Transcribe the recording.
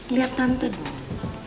liat tante dong